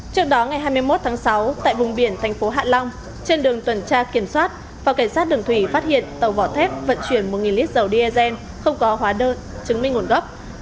trước đó ngày hai mươi một tháng sáu tại vùng biển thành phố hạ long trên đường tuần tra kiểm soát phòng cảnh sát đường thủy phát hiện tàu vỏ thép vận chuyển một lít dầu diesel không có hóa đơn chứng minh nguồn gốc